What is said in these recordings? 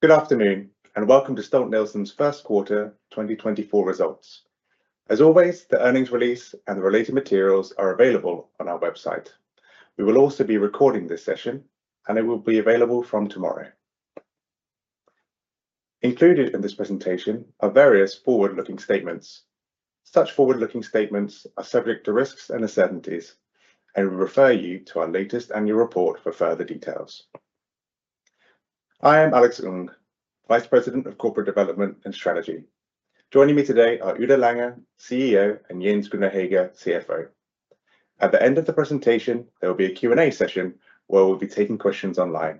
Good afternoon and welcome to Stolt-Nielsen's first quarter 2024 results. As always, the earnings release and the related materials are available on our website. We will also be recording this session, and it will be available from tomorrow. Included in this presentation are various forward-looking statements. Such forward-looking statements are subject to risks and uncertainties, and we refer you to our latest annual report for further details. I am Alex Ng, Vice President of Corporate Development and Strategy. Joining me today are Udo Lange, CEO, and Jens Grüner-Hegge, CFO. At the end of the presentation, there will be a Q&A session where we'll be taking questions online.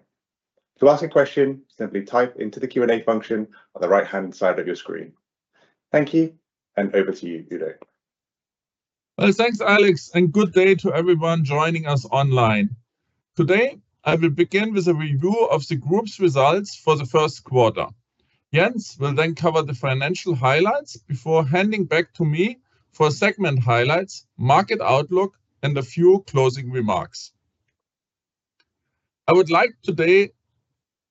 To ask a question, simply type into the Q&A function on the right-hand side of your screen. Thank you, and over to you, Udo. Thanks, Alex, and good day to everyone joining us online. Today I will begin with a review of the group's results for the first quarter. Jens will then cover the financial highlights before handing back to me for segment highlights, market outlook, and a few closing remarks. I would like to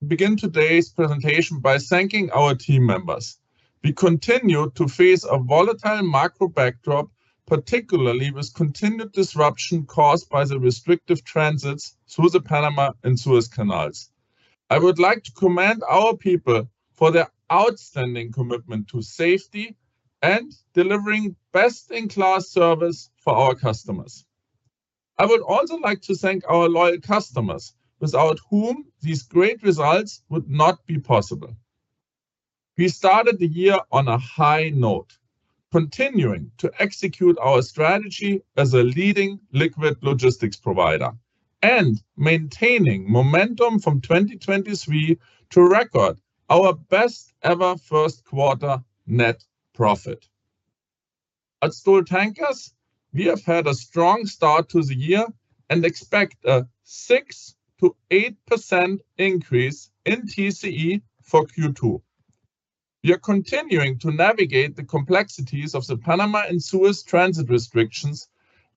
begin today's presentation by thanking our team members. We continue to face a volatile macro backdrop, particularly with continued disruption caused by the restrictive transits through the Panama Canal and Suez Canal. I would like to commend our people for their outstanding commitment to safety and delivering best-in-class service for our customers. I would also like to thank our loyal customers, without whom these great results would not be possible. We started the year on a high note, continuing to execute our strategy as a leading liquid logistics provider and maintaining momentum from 2023 to record our best-ever first quarter net profit. At Stolt Tankers, we have had a strong start to the year and expect a 6%-8% increase in TCE for Q2. We are continuing to navigate the complexities of the Panama and Suez transit restrictions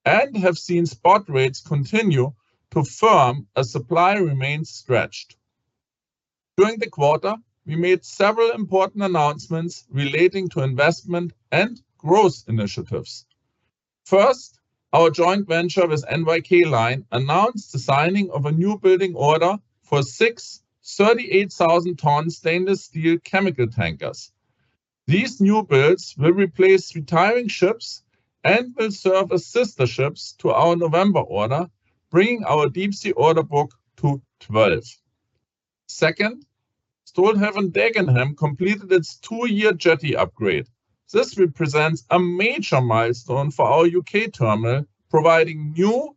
and have seen spot rates continue to firm as supply remains stretched. During the quarter, we made several important announcements relating to investment and growth initiatives. First, our joint venture with NYK Line announced the signing of a new building order for six 38,000-ton stainless steel chemical tankers. These new builds will replace retiring ships and will serve as sister ships to our November order, bringing our deep-sea order book to 12. Second, Stolthaven Dagenham completed its 2-year jetty upgrade. This represents a major milestone for our UK terminal, providing new,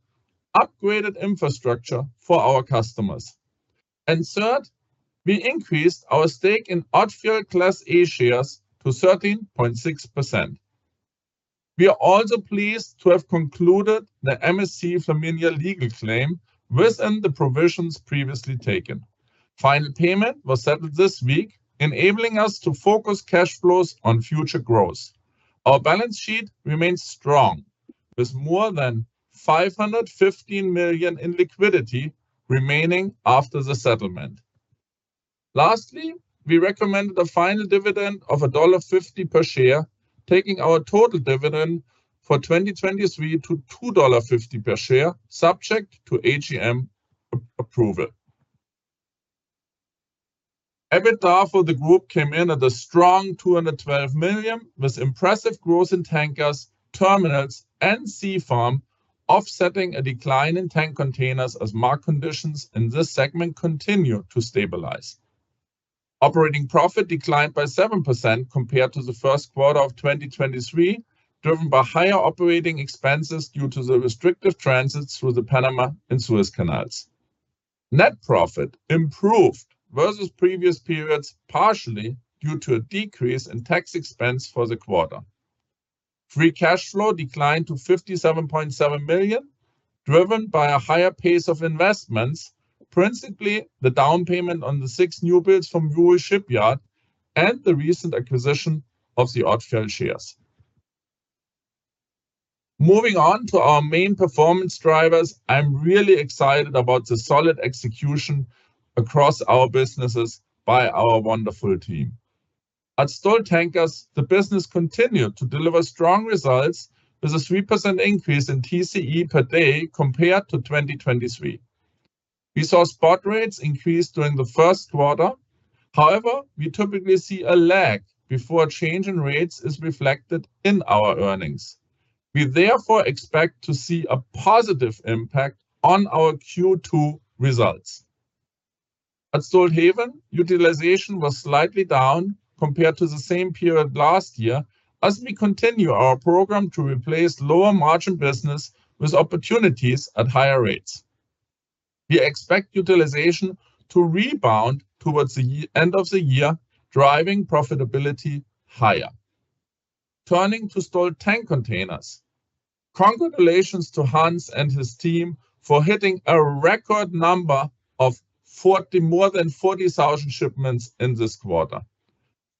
upgraded infrastructure for our customers. Third, we increased our stake in Odfjell Class A shares to 13.6%. We are also pleased to have concluded the MSC Flaminia legal claim within the provisions previously taken. Final payment was settled this week, enabling us to focus cash flows on future growth. Our balance sheet remains strong, with more than $515 million in liquidity remaining after the settlement. Lastly, we recommended a final dividend of $1.50 per share, taking our total dividend for 2023 to $2.50 per share, subject to AGM approval. EBITDA for the group came in at a strong $212 million, with impressive growth in tankers, terminals, and sea farm, offsetting a decline in tank containers as market conditions in this segment continue to stabilize. Operating profit declined by 7% compared to the first quarter of 2023, driven by higher operating expenses due to the restrictive transits through the Panama and Suez Canals. Net profit improved versus previous periods partially due to a decrease in tax expense for the quarter. Free cash flow declined to $57.7 million, driven by a higher pace of investments, principally the down payment on the six new builds from Wuhu Shipyard and the recent acquisition of the Odfjell shares. Moving on to our main performance drivers, I'm really excited about the solid execution across our businesses by our wonderful team. At Stolt Tankers, the business continued to deliver strong results with a 3% increase in TCE per day compared to 2023. We saw spot rates increase during the first quarter. However, we typically see a lag before a change in rates is reflected in our earnings. We therefore expect to see a positive impact on our Q2 results. At Stolthaven, utilization was slightly down compared to the same period last year as we continue our program to replace lower-margin business with opportunities at higher rates. We expect utilization to rebound towards the end of the year, driving profitability higher. Turning to Stolt Tank Containers, congratulations to Hans and his team for hitting a record number of more than 40,000 shipments in this quarter.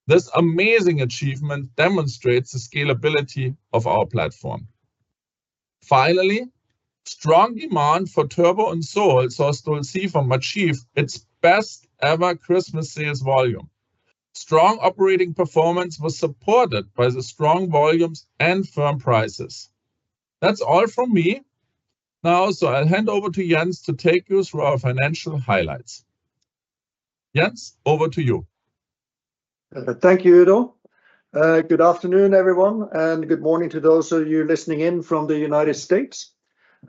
This amazing achievement demonstrates the scalability of our platform. Finally, strong demand for turbot and sole saw Stolt Sea Farm achieve its best-ever Christmas sales volume. Strong operating performance was supported by the strong volumes and firm prices. That's all from me. Now, so I'll hand over to Jens to take you through our financial highlights. Jens, over to you. Thank you, Udo. Good afternoon, everyone, and good morning to those of you listening in from the United States.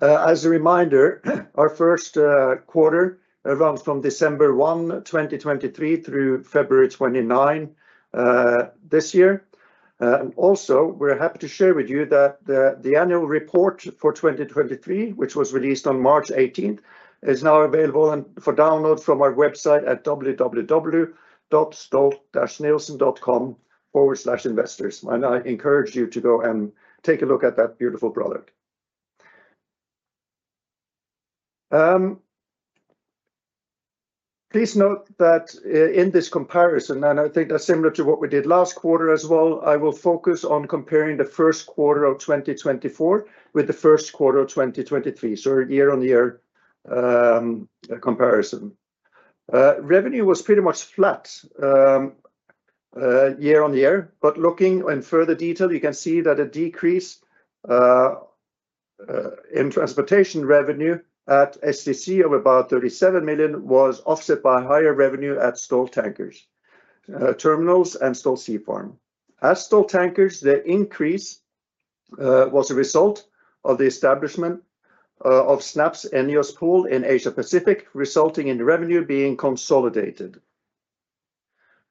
As a reminder, our first quarter runs from December 1, 2023, through February 29 this year. Also, we're happy to share with you that the annual report for 2023, which was released on March 18th, is now available for download from our website at www.stolt-nielsen.com/investors, and I encourage you to go and take a look at that beautiful product. Please note that in this comparison, and I think that's similar to what we did last quarter as well, I will focus on comparing the first quarter of 2024 with the first quarter of 2023, so a year-on-year comparison. Revenue was pretty much flat year-on-year, but looking in further detail, you can see that a decrease in transportation revenue at STC of about $37 million was offset by higher revenue at Stolt Tankers terminals and Stolt Sea Farm. At Stolt Tankers, the increase was a result of the establishment of SNAPS/ENEOS pool in Asia-Pacific, resulting in revenue being consolidated.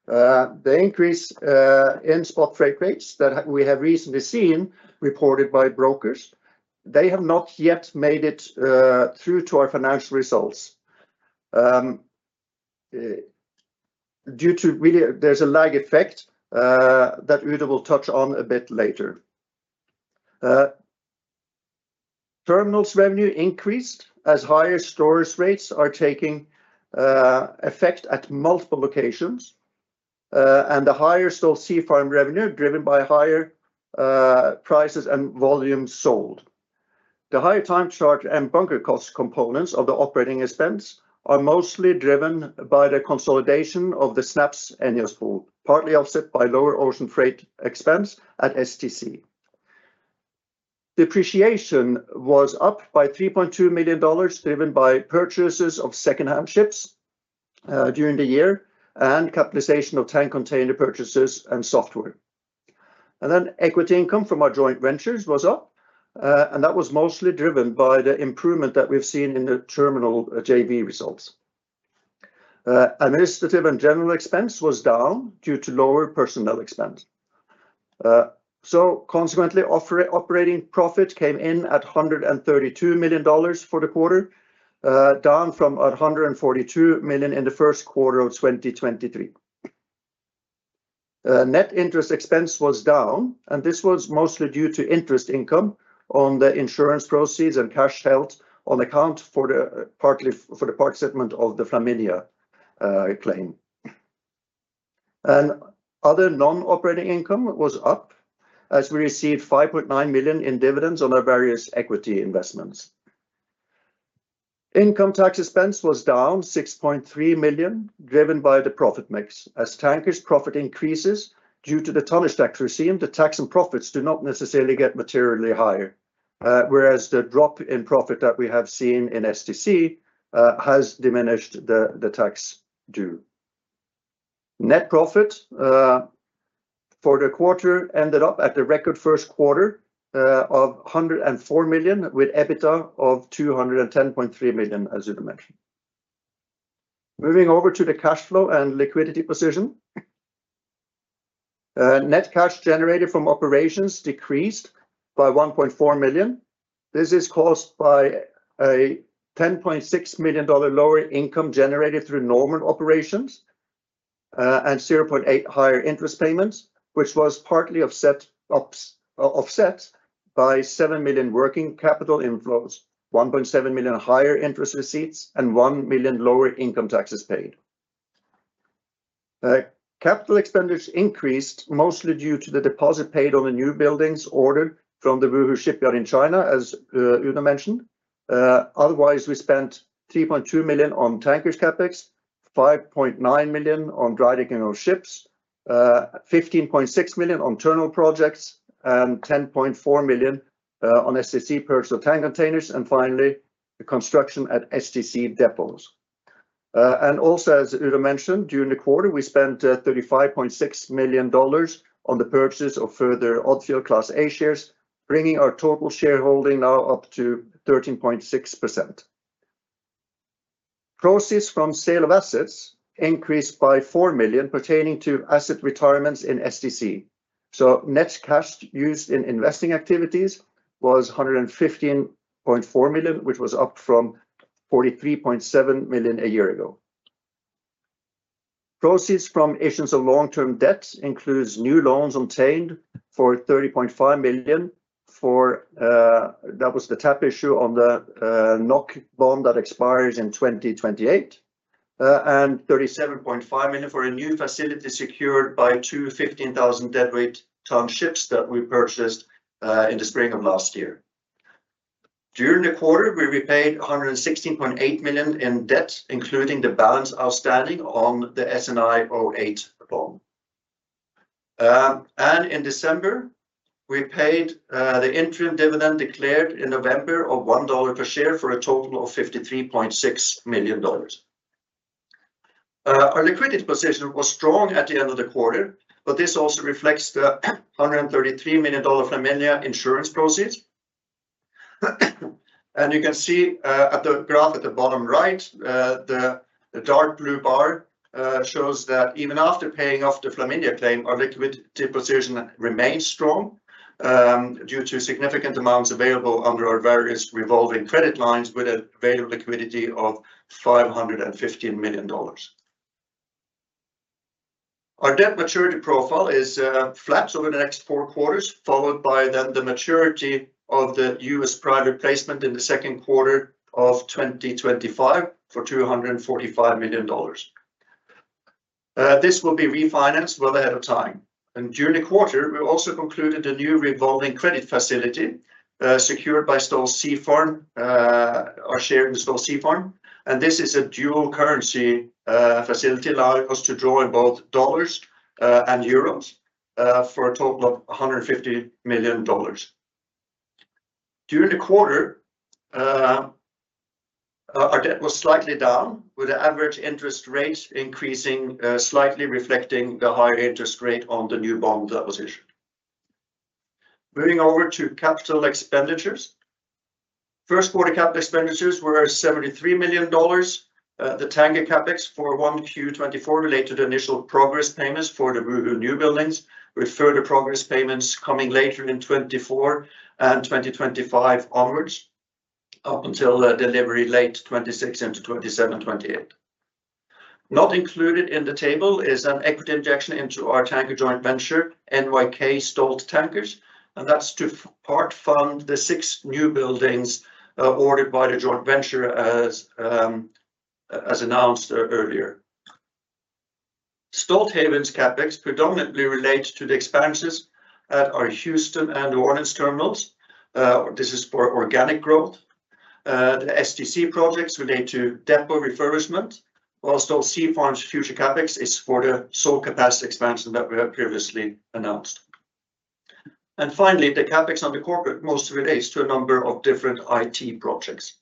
The increase in spot freight rates that we have recently seen reported by brokers, they have not yet made it through to our financial results. Due to really, there's a lag effect that Udo will touch on a bit later. Terminals revenue increased as higher storage rates are taking effect at multiple locations, and the higher Stolt Sea Farm revenue driven by higher prices and volume sold. The higher time charter and bunker cost components of the operating expense are mostly driven by the consolidation of the SNAPS' ENEOS pool, partly offset by lower ocean freight expense at STC. Depreciation was up by $3.2 million, driven by purchases of second-hand ships during the year and capitalization of tank container purchases and software. Equity income from our joint ventures was up, and that was mostly driven by the improvement that we've seen in the terminal JV results. Administrative and general expense was down due to lower personnel expense. Consequently, operating profit came in at $132 million for the quarter, down from $142 million in the first quarter of 2023. Net interest expense was down, and this was mostly due to interest income on the insurance proceeds and cash held on account for the part settlement of the Flaminia claim. Other non-operating income was up as we received $5.9 million in dividends on our various equity investments. Income tax expense was down $6.3 million, driven by the profit mix. As tankers' profit increases due to the tonnage tax regime, the tax and profits do not necessarily get materially higher, whereas the drop in profit that we have seen in STC has diminished the tax due. Net profit for the quarter ended up at the record first quarter of $104 million, with EBITDA of $210.3 million, as you mentioned. Moving over to the cash flow and liquidity position. Net cash generated from operations decreased by $1.4 million. This is caused by a $10.6 million lower income generated through normal operations and $0.8 million higher interest payments, which was partly offset by $7 million working capital inflows, $1.7 million higher interest receipts, and $1 million lower income taxes paid. Capital expenditure increased mostly due to the deposit paid on the new buildings ordered from the Wuhu Shipyard in China, as Udo mentioned. Otherwise, we spent $3.2 million on tankers CapEx, $5.9 million on drydocking of ships, $15.6 million on terminal projects, and $10.4 million on STC purchase of tank containers, and finally, the construction at STC depots. Also, as Udo mentioned, during the quarter, we spent $35.6 million on the purchase of further Odfjell Class A shares, bringing our total shareholding now up to 13.6%. Proceeds from sale of assets increased by $4 million pertaining to asset retirements in STC. Net cash used in investing activities was $115.4 million, which was up from $43.7 million a year ago. Proceeds from issuance of long-term debt include new loans obtained for $30.5 million, that was the tap issue on the NOK bond that expires in 2028, and $37.5 million for a new facility secured by two 15,000-deadweight-ton ships that we purchased in the spring of last year. During the quarter, we repaid $116.8 million in debt, including the balance outstanding on the SNI-08 bond. In December, we paid the interim dividend declared in November of $1 per share for a total of $53.6 million. Our liquidity position was strong at the end of the quarter, but this also reflects the $133 million Flaminia insurance proceeds. You can see at the graph at the bottom right, the dark blue bar shows that even after paying off the Flaminia claim, our liquidity position remains strong due to significant amounts available under our various revolving credit lines with an available liquidity of $515 million. Our debt maturity profile is flat over the next four quarters, followed by then the maturity of the U.S. private placement in the second quarter of 2025 for $245 million. This will be refinanced well ahead of time. During the quarter, we also concluded a new revolving credit facility secured by Stolt Sea Farm, our share in Stolt Sea Farm. This is a dual-currency facility allowing us to draw in both dollars and euros for a total of $150 million. During the quarter, our debt was slightly down, with the average interest rate increasing slightly, reflecting the higher interest rate on the new bond that was issued. Moving over to capital expenditures. First-quarter capital expenditures were $73 million. The tanker CapEx for 1Q24 related to initial progress payments for our new buildings, with further progress payments coming later in 2024 and 2025 onwards, up until delivery late 2026 into 2027-2028. Not included in the table is an equity injection into our tanker joint venture, NYK Stolt Tankers, and that's to part-fund the six new buildings ordered by the joint venture, as announced earlier. Stolthaven's CapEx predominantly relates to the expansions at our Houston and New Orleans terminals. This is for organic growth. The STC projects relate to depot refurbishment, while Stolt Sea Farm's future CapEx is for the sole capacity expansion that we have previously announced. Finally, the CapEx under corporate mostly relates to a number of different IT projects.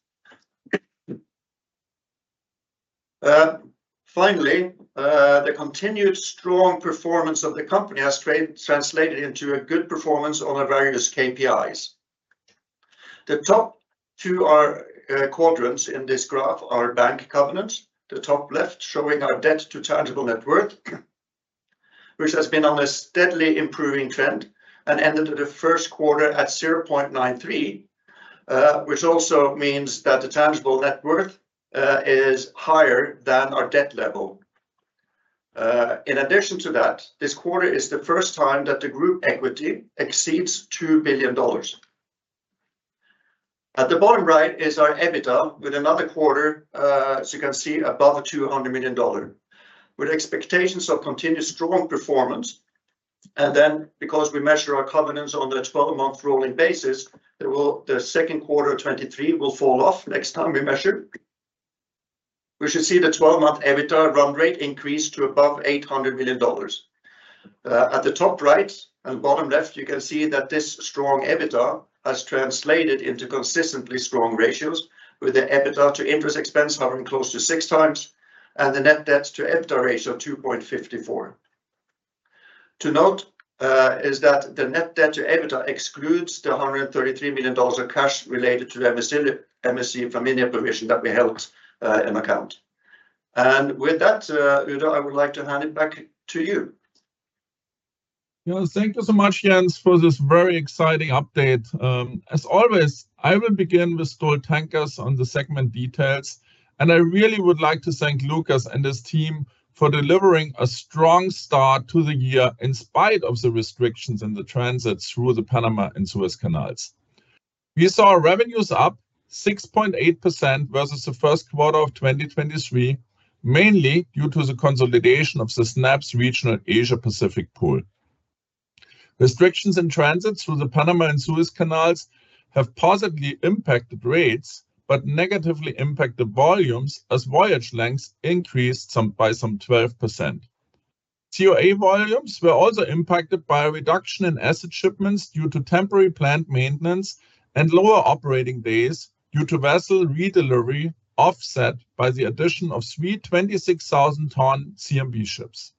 Finally, the continued strong performance of the company has translated into a good performance on our various KPIs. The top two quadrants in this graph are bank covenants, the top left showing our debt to tangible net worth, which has been on a steadily improving trend and ended the first quarter at 0.93, which also means that the tangible net worth is higher than our debt level. In addition to that, this quarter is the first time that the group equity exceeds $2 billion. At the bottom right is our EBITDA with another quarter, as you can see, above $200 million, with expectations of continued strong performance. Then because we measure our covenants on the 12-month rolling basis, the second quarter of 2023 will fall off next time we measure. We should see the 12-month EBITDA run rate increase to above $800 million. At the top right and bottom left, you can see that this strong EBITDA has translated into consistently strong ratios, with the EBITDA to interest expense hovering close to six times and the net debt to EBITDA ratio of 2.54. To note is that the net debt to EBITDA excludes the $133 million cash related to the MSC Flaminia provision that we held in account. With that, Udo, I would like to hand it back to you. Yeah, thank you so much, Jens, for this very exciting update. As always, I will begin with Stolt Tankers on the segment details, and I really would like to thank Lucas and his team for delivering a strong start to the year in spite of the restrictions in the transit through the Panama and Suez Canals. We saw revenues up 6.8% versus the first quarter of 2023, mainly due to the consolidation of the SNAPS regional Asia-Pacific pool. Restrictions in transit through the Panama and Suez Canals have positively impacted rates but negatively impacted volumes as voyage lengths increased by some 12%. COA volumes were also impacted by a reduction in asset shipments due to temporary plant maintenance and lower operating days due to vessel redelivery offset by the addition of three 26,000-ton CMB ships.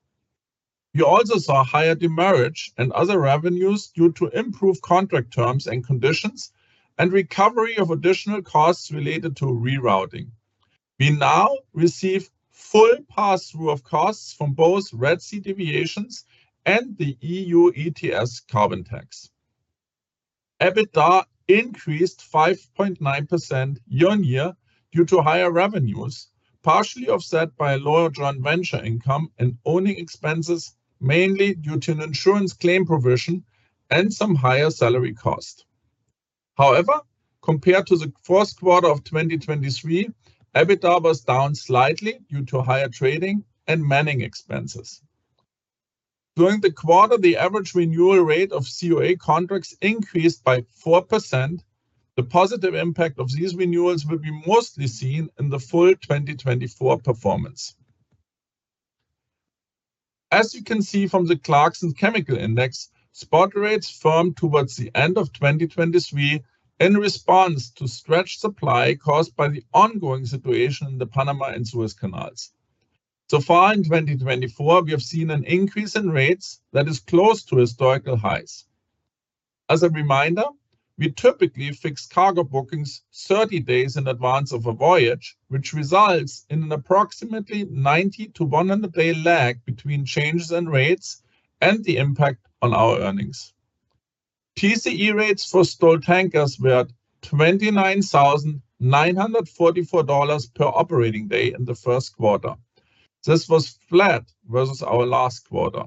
We also saw higher demurrage and other revenues due to improved contract terms and conditions and recovery of additional costs related to rerouting. We now receive full pass-through of costs from both Red Sea deviations and the EU ETS carbon tax. EBITDA increased 5.9% year-on-year due to higher revenues, partially offset by lower joint venture income and owning expenses, mainly due to an insurance claim provision and some higher salary cost. However, compared to the fourth quarter of 2023, EBITDA was down slightly due to higher trading and manning expenses. During the quarter, the average renewal rate of COA contracts increased by 4%. The positive impact of these renewals will be mostly seen in the full 2024 performance. As you can see from the ClarkSea Chemical Index, spot rates firmed towards the end of 2023 in response to stretched supply caused by the ongoing situation in the Panama Canal and Suez Canal. So far in 2024, we have seen an increase in rates that is close to historical highs. As a reminder, we typically fix cargo bookings 30 days in advance of a voyage, which results in an approximately 90-100-day lag between changes in rates and the impact on our earnings. TCE rates for Stolt Tankers were at $29,944 per operating day in the first quarter. This was flat versus our last quarter.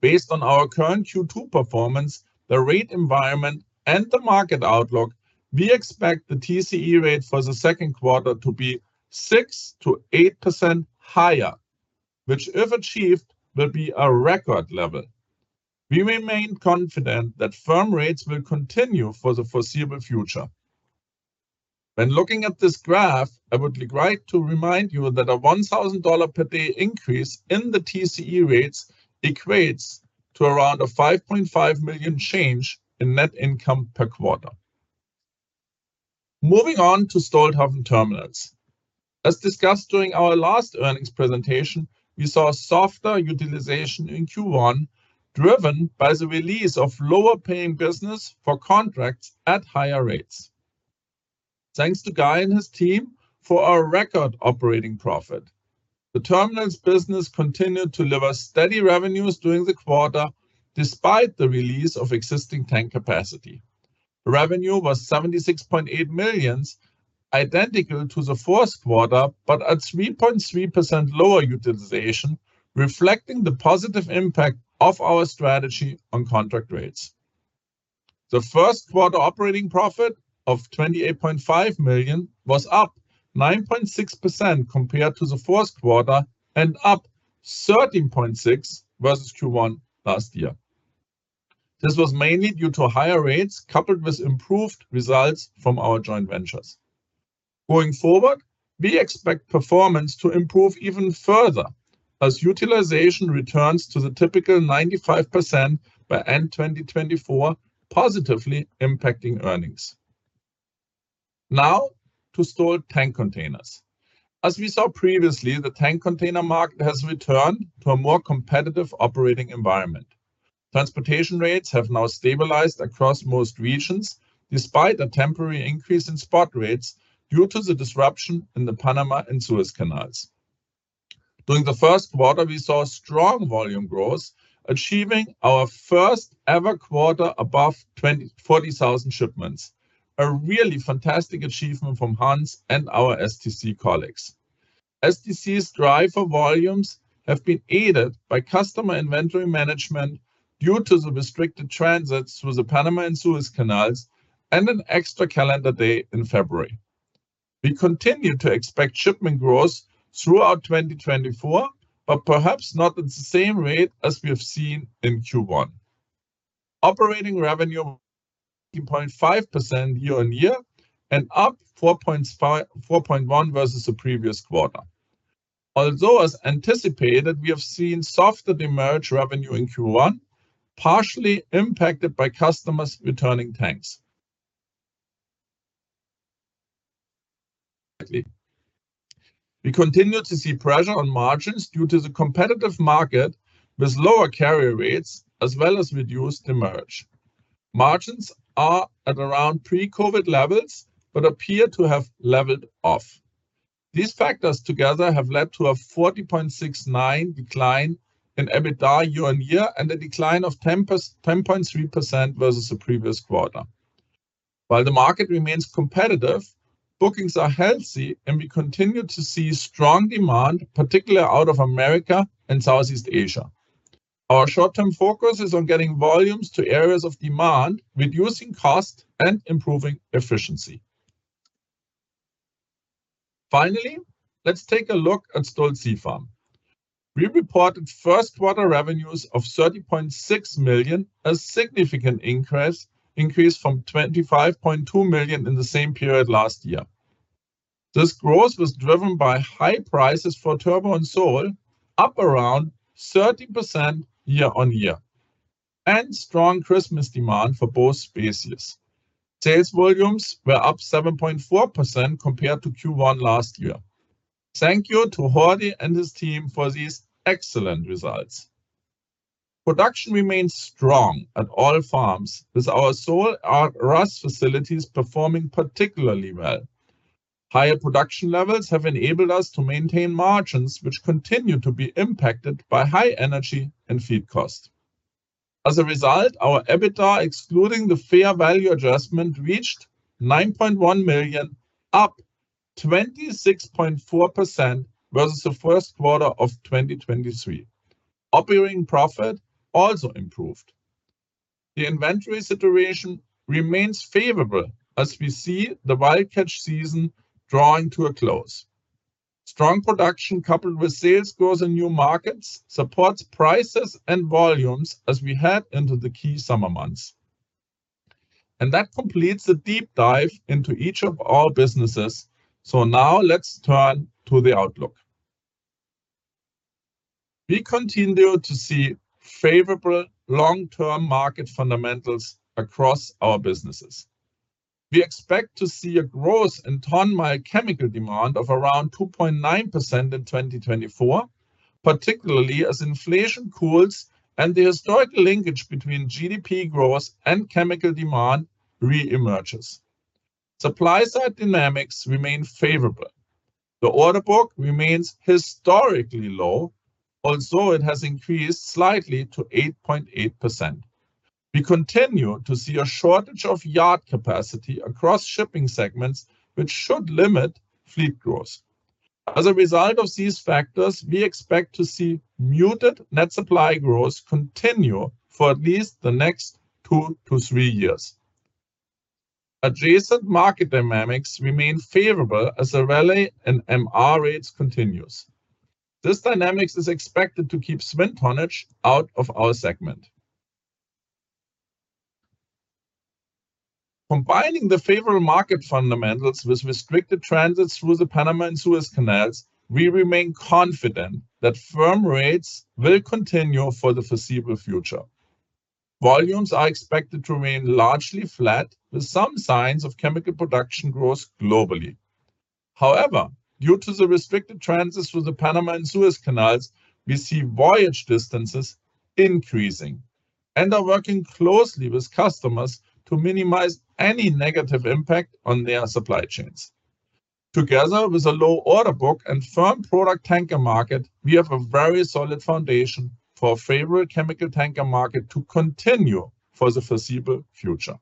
Based on our current Q2 performance, the rate environment, and the market outlook, we expect the TCE rate for the second quarter to be 6%-8% higher, which if achieved, will be a record level. We remain confident that firm rates will continue for the foreseeable future. When looking at this graph, I would like to remind you that a $1,000 per day increase in the TCE rates equates to around a $5.5 million change in net income per quarter. Moving on to Stolthaven Terminals. As discussed during our last earnings presentation, we saw softer utilization in Q1 driven by the release of lower-paying business for contracts at higher rates. Thanks to Guy and his team for our record operating profit. The terminals' business continued to deliver steady revenues during the quarter despite the release of existing tank capacity. Revenue was $76.8 million, identical to the fourth quarter but at 3.3% lower utilization, reflecting the positive impact of our strategy on contract rates. The first quarter operating profit of $28.5 million was up 9.6% compared to the fourth quarter and up 13.6% versus Q1 last year. This was mainly due to higher rates coupled with improved results from our joint ventures. Going forward, we expect performance to improve even further as utilization returns to the typical 95% by end 2024, positively impacting earnings. Now to Stolt Tank Containers. As we saw previously, the tank container market has returned to a more competitive operating environment. Transportation rates have now stabilized across most regions despite a temporary increase in spot rates due to the disruption in the Panama Canal and Suez Canal. During the first quarter, we saw strong volume growth, achieving our first-ever quarter above 40,000 shipments, a really fantastic achievement from Hans and our STC colleagues. STC's drive for volumes has been aided by customer inventory management due to the restricted transits through the Panama Canal and Suez Canal and an extra calendar day in February. We continue to expect shipment growth throughout 2024 but perhaps not at the same rate as we have seen in Q1. Operating revenue was 18.5% year-on-year and up 4.1% versus the previous quarter. Although as anticipated, we have seen softer demurrage revenue in Q1, partially impacted by customers returning tanks. We continue to see pressure on margins due to the competitive market with lower carrier rates as well as reduced demand. Margins are at around pre-COVID levels but appear to have leveled off. These factors together have led to a 40.69% decline in EBITDA year-on-year and a decline of 10.3% versus the previous quarter. While the market remains competitive, bookings are healthy, and we continue to see strong demand, particularly out of America and Southeast Asia. Our short-term focus is on getting volumes to areas of demand, reducing cost, and improving efficiency. Finally, let's take a look at Stolt Sea Farm. We reported first-quarter revenues of $30.6 million, a significant increase from $25.2 million in the same period last year. This growth was driven by high prices for turbot and sole, up around 30% year-on-year, and strong Christmas demand for both species. Sales volumes were up 7.4% compared to Q1 last year. Thank you to Jordi and his team for these excellent results. Production remains strong at all farms, with our sole and turbot facilities performing particularly well. Higher production levels have enabled us to maintain margins, which continue to be impacted by high energy and feed cost. As a result, our EBITDA excluding the fair value adjustment reached $9.1 million, up 26.4% versus the first quarter of 2023. Operating profit also improved. The inventory situation remains favorable as we see the wildcatch season drawing to a close. Strong production coupled with sales growth in new markets supports prices and volumes as we head into the key summer months. That completes the deep dive into each of our businesses. Now let's turn to the outlook. We continue to see favorable long-term market fundamentals across our businesses. We expect to see a growth in ton-mile chemical demand of around 2.9% in 2024, particularly as inflation cools and the historical linkage between GDP growth and chemical demand re-emerges. Supply-side dynamics remain favorable. The order book remains historically low, although it has increased slightly to 8.8%. We continue to see a shortage of yard capacity across shipping segments, which should limit fleet growth. As a result of these factors, we expect to see muted net supply growth continue for at least the next two to three years. Adjacent market dynamics remain favorable as the relay and MR rates continue. This dynamics is expected to keep swing tonnage out of our segment. Combining the favorable market fundamentals with restricted transits through the Panama and Suez Canals, we remain confident that firm rates will continue for the foreseeable future. Volumes are expected to remain largely flat with some signs of chemical production growth globally. However, due to the restricted transits through the Panama and Suez Canals, we see voyage distances increasing and are working closely with customers to minimize any negative impact on their supply chains. Together with a low order book and firm product tanker market, we have a very solid foundation for a favorable chemical tanker market to continue for the foreseeable future.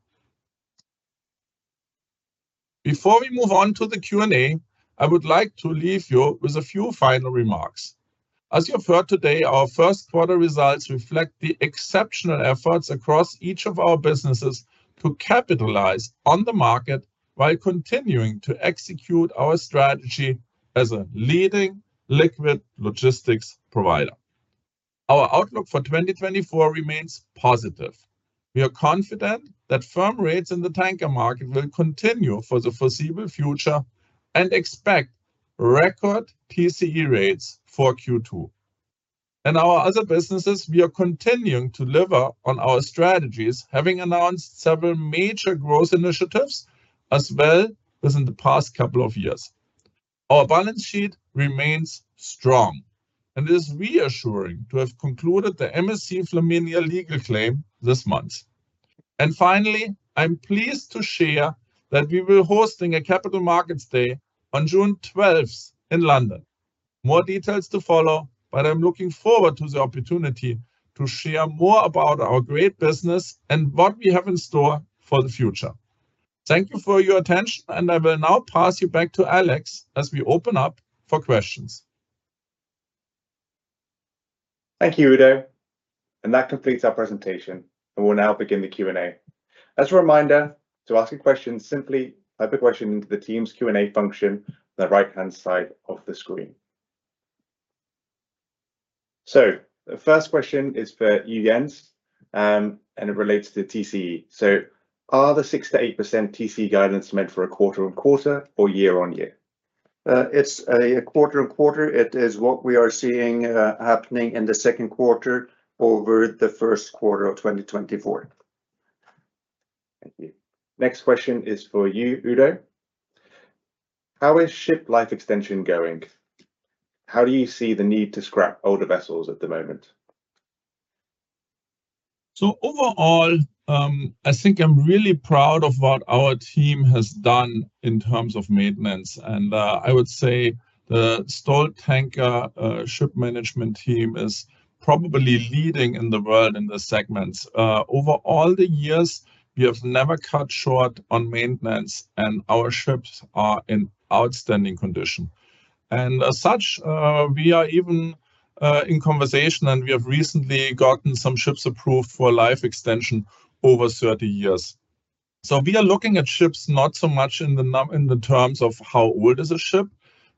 Before we move on to the Q&A, I would like to leave you with a few final remarks. As you've heard today, our first quarter results reflect the exceptional efforts across each of our businesses to capitalize on the market while continuing to execute our strategy as a leading liquid logistics provider. Our outlook for 2024 remains positive. We are confident that firm rates in the tanker market will continue for the foreseeable future and expect record TCE rates for Q2. In our other businesses, we are continuing to deliver on our strategies, having announced several major growth initiatives as well as in the past couple of years. Our balance sheet remains strong, and it is reassuring to have concluded the MSC Flaminia legal claim this month. And finally, I'm pleased to share that we will be hosting a Capital Markets Day on June 12th in London. More details to follow, but I'm looking forward to the opportunity to share more about our great business and what we have in store for the future. Thank you for your attention, and I will now pass you back to Alex as we open up for questions. Thank you, Udo. And that completes our presentation, and we'll now begin the Q&A. As a reminder, to ask a question, simply type a question into the team's Q&A function on the right-hand side of the screen. So the first question is for Jens, and it relates to TCE. So are the 6%-8% TCE guidance meant for a quarter-on-quarter or year-on-year? It's a quarter-on-quarter. It is what we are seeing happening in the second quarter over the first quarter of 2024. Thank you. Next question is for you, Udo. How is ship life extension going? How do you see the need to scrap older vessels at the moment? So overall, I think I'm really proud of what our team has done in terms of maintenance. I would say the Stolt Tankers ship management team is probably leading in the world in the segments. Over all the years, we have never cut short on maintenance, and our ships are in outstanding condition. As such, we are even in conversation, and we have recently gotten some ships approved for life extension over 30 years. We are looking at ships not so much in the terms of how old is a ship,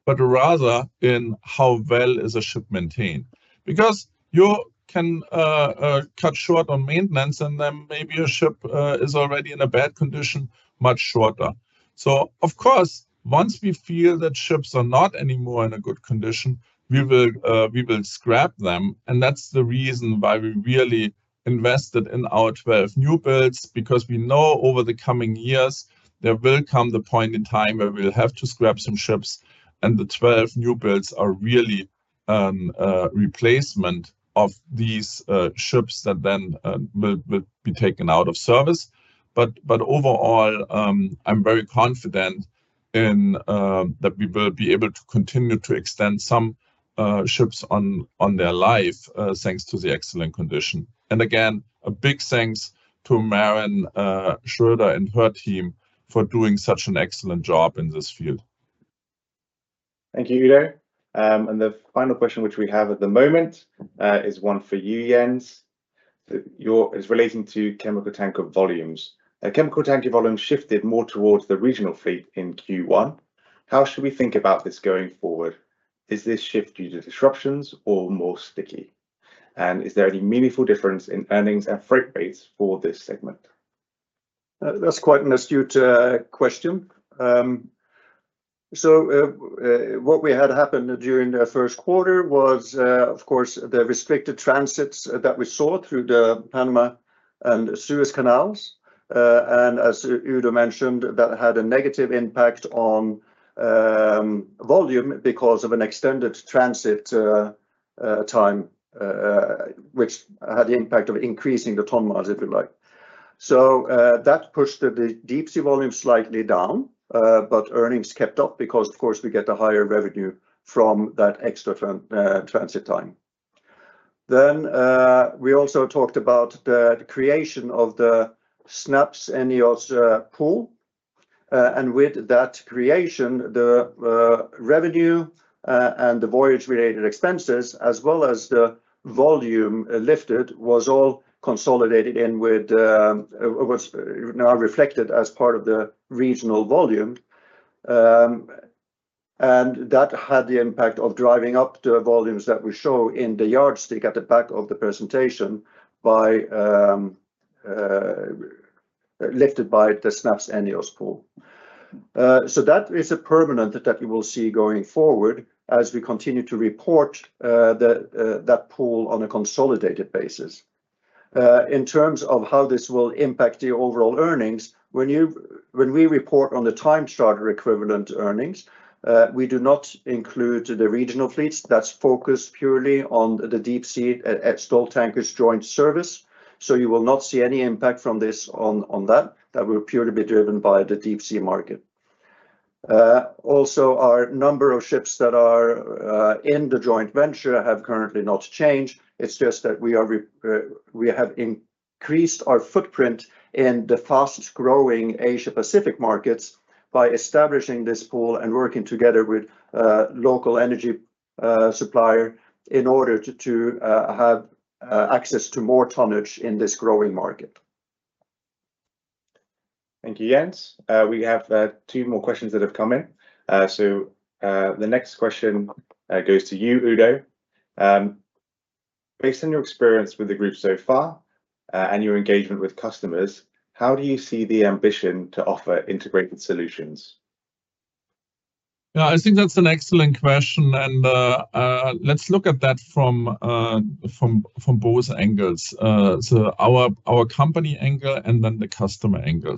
but rather in how well is a ship maintained. Because you can cut short on maintenance, and then maybe a ship is already in a bad condition much shorter. Of course, once we feel that ships are not anymore in a good condition, we will scrap them. That's the reason why we really invested in our 12 new builds, because we know over the coming years, there will come the point in time where we'll have to scrap some ships, and the 12 new builds are really a replacement of these ships that then will be taken out of service. Overall, I'm very confident that we will be able to continue to extend some ships on their life thanks to the excellent condition. Again, a big thanks to Maren Schroeder and her team for doing such an excellent job in this field. Thank you, Udo. The final question which we have at the moment is one for you, Jens. It's relating to chemical tanker volumes. Chemical tanker volumes shifted more towards the regional fleet in Q1. How should we think about this going forward? Is this shift due to disruptions or more sticky? And is there any meaningful difference in earnings and freight rates for this segment? That's quite an astute question. So what we had happen during the first quarter was, of course, the restricted transits that we saw through the Panama Canal and Suez Canal. And as Udo mentioned, that had a negative impact on volume because of an extended transit time, which had the impact of increasing the ton miles, if you like. So that pushed the deep sea volume slightly down, but earnings kept up because, of course, we get the higher revenue from that extra transit time. Then we also talked about the creation of the SNAPS and ENEOS pool. And with that creation, the revenue and the voyage-related expenses, as well as the volume lifted, was all consolidated in with what's now reflected as part of the regional volume. That had the impact of driving up the volumes that we show in the yardstick at the back of the presentation lifted by the SNAPS and ENEOS pool. So that is permanent that you will see going forward as we continue to report that pool on a consolidated basis. In terms of how this will impact the overall earnings, when we report on the time charter equivalent earnings, we do not include the regional fleets. That's focused purely on the deep sea at Stolt Tankers joint service. You will not see any impact from this on that. That will purely be driven by the deep sea market. Also, our number of ships that are in the joint service have currently not changed. It's just that we have increased our footprint in the fast-growing Asia-Pacific markets by establishing this pool and working together with a local energy supplier in order to have access to more tonnage in this growing market. Thank you, Jens. We have two more questions that have come in. The next question goes to you, Udo. Based on your experience with the group so far and your engagement with customers, how do you see the ambition to offer integrated solutions? I think that's an excellent question. Let's look at that from both angles. Our company angle and then the customer angle.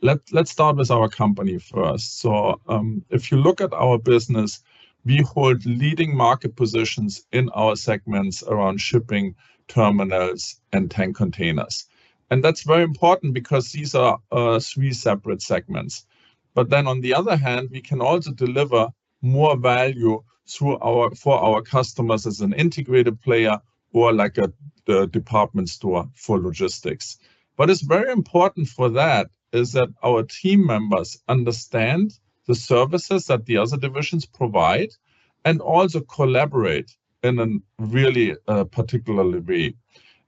Let's start with our company first. If you look at our business, we hold leading market positions in our segments around shipping terminals and tank containers. That's very important because these are three separate segments. But then on the other hand, we can also deliver more value for our customers as an integrated player or like a department store for logistics. What is very important for that is that our team members understand the services that the other divisions provide and also collaborate in a really particular way.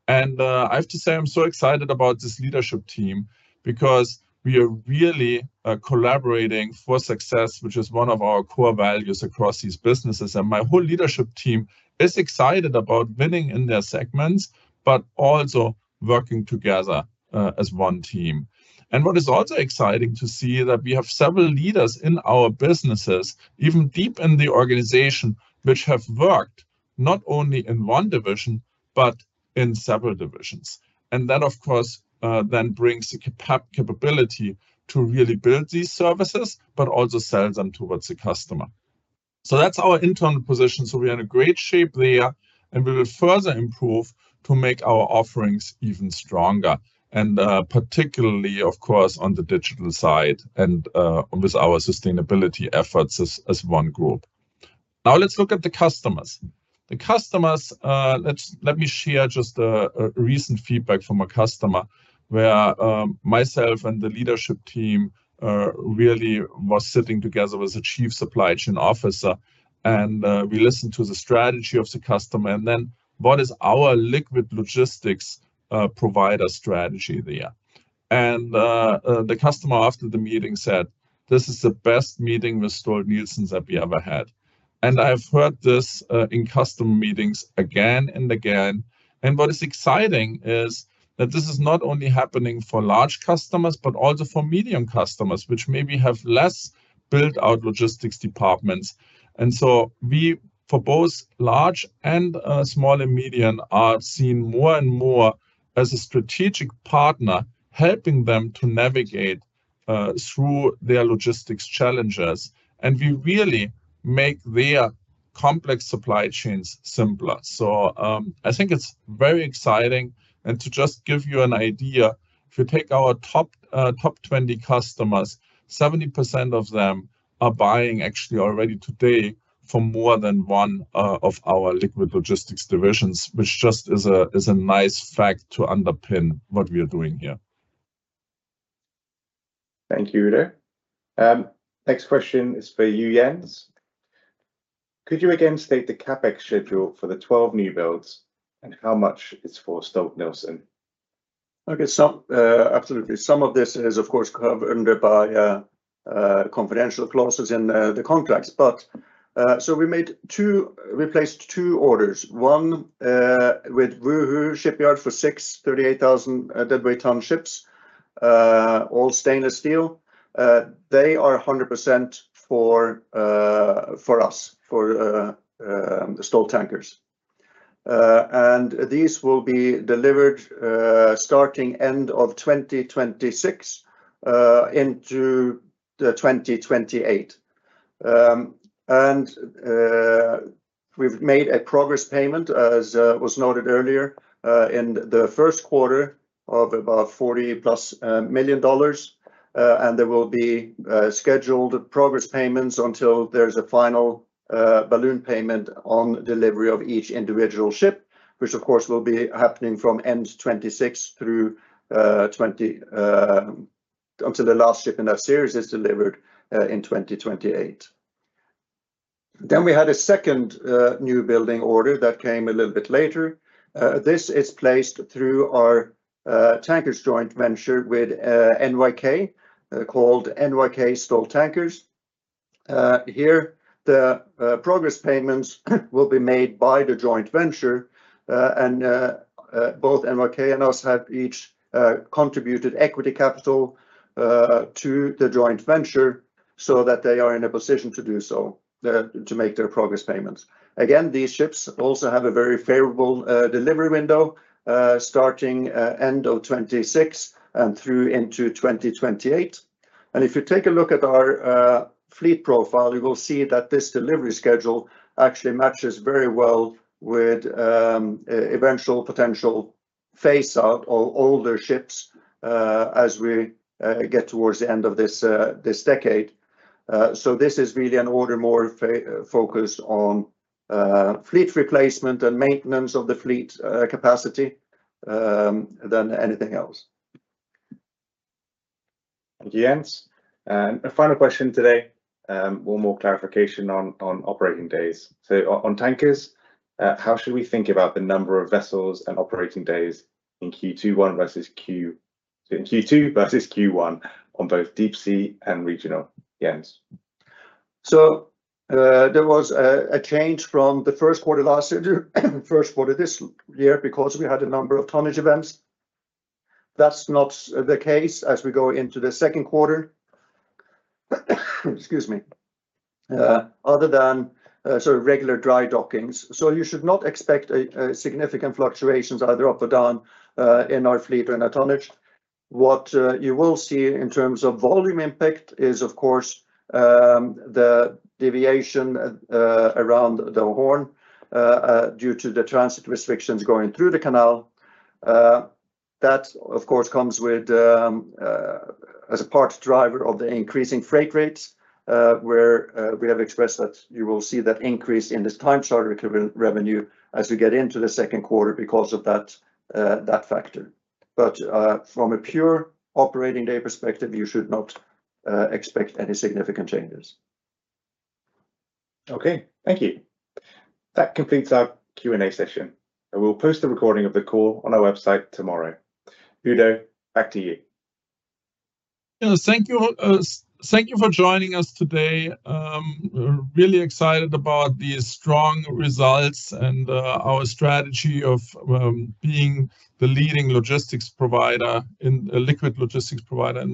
I have to say I'm so excited about this leadership team because we are really collaborating for success, which is one of our core values across these businesses. My whole leadership team is excited about winning in their segments, but also working together as one team. What is also exciting to see is that we have several leaders in our businesses, even deep in the organization, which have worked not only in one division but in several divisions. That, of course, then brings the capability to really build these services, but also sell them towards the customer. That's our internal position. We are in a great shape there, and we will further improve to make our offerings even stronger, and particularly, of course, on the digital side and with our sustainability efforts as one group. Now let's look at the customers. Let me share just a recent feedback from a customer where myself and the leadership team really were sitting together with the chief supply chain officer, and we listened to the strategy of the customer, and then what is our liquid logistics provider strategy there? And the customer after the meeting said, "This is the best meeting with Stolt-Nielsen that we ever had." And I've heard this in customer meetings again and again. And what is exciting is that this is not only happening for large customers, but also for medium customers, which maybe have less built-out logistics departments. And so we, for both large and small and medium, are seen more and more as a strategic partner helping them to navigate through their logistics challenges. And we really make their complex supply chains simpler. So I think it's very exciting. To just give you an idea, if you take our top 20 customers, 70% of them are buying actually already today from more than one of our liquid logistics divisions, which just is a nice fact to underpin what we are doing here. Thank you, Udo. Next question is for you, Jens. Could you again state the CapEx schedule for the 12 new builds, and how much is for Stolt-Nielsen? Okay. Absolutely. Some of this is, of course, covered by confidential clauses in the contracts. So we replaced two orders, one with Wuhu Shipyard for six 38,000 deadweight-ton ships, all stainless steel. They are 100% for us, for the Stolt Tankers. And these will be delivered starting end of 2026 into 2028. And we've made a progress payment, as was noted earlier, in the first quarter of about $40+ million. And there will be scheduled progress payments until there's a final balloon payment on delivery of each individual ship, which, of course, will be happening from end 2026 until the last ship in that series is delivered in 2028. Then we had a second new building order that came a little bit later. This is placed through our tankers joint venture with NYK called NYK Stolt Tankers. Here, the progress payments will be made by the joint venture. Both NYK and us have each contributed equity capital to the joint venture so that they are in a position to do so, to make their progress payments. Again, these ships also have a very favorable delivery window starting end of 2026 and through into 2028. And if you take a look at our fleet profile, you will see that this delivery schedule actually matches very well with eventual potential phase-out of older ships as we get towards the end of this decade. So this is really an order more focused on fleet replacement and maintenance of the fleet capacity than anything else. Thank you, Jens. A final question today, one more clarification on operating days. On tankers, how should we think about the number of vessels and operating days in Q2 versus Q1 on both deep sea and regional, Jens? There was a change from the first quarter last year, first quarter this year, because we had a number of tonnage events. That's not the case as we go into the second quarter, excuse me, other than sort of regular dry dockings. You should not expect significant fluctuations either up or down in our fleet or in our tonnage. What you will see in terms of volume impact is, of course, the deviation around the horn due to the transit restrictions going through the canal. That, of course, comes as a part driver of the increasing freight rates, where we have expressed that you will see that increase in this time charter equivalent revenue as we get into the second quarter because of that factor. But from a pure operating day perspective, you should not expect any significant changes. Okay. Thank you. That completes our Q&A session. We'll post the recording of the call on our website tomorrow. Udo, back to you. Thank you for joining us today. Really excited about these strong results and our strategy of being the leading liquid logistics provider in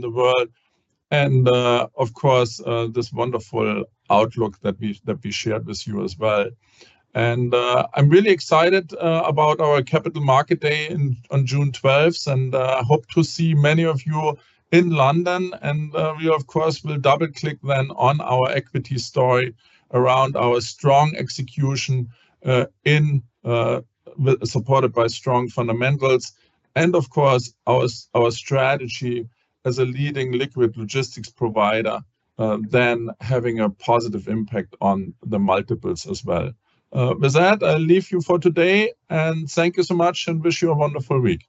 the world. Of course, this wonderful outlook that we shared with you as well. I'm really excited about our Capital Markets Day on June 12th and hope to see many of you in London. We, of course, will double-click then on our equity story around our strong execution supported by strong fundamentals and, of course, our strategy as a leading liquid logistics provider then having a positive impact on the multiples as well. With that, I leave you for today. Thank you so much and wish you a wonderful week.